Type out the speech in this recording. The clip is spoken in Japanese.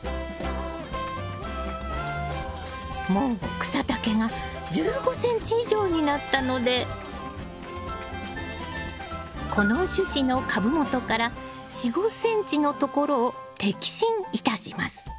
もう草丈が１５ｃｍ以上になったのでこの主枝の株元から４５ｃｍのところを摘心いたします。